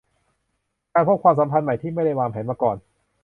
การพบความสัมพันธ์ใหม่ที่ไม่ได้วางแผนมาก่อน